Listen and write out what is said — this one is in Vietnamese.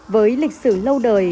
với lịch sử lâu đời